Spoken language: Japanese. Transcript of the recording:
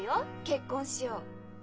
「結婚しよう」。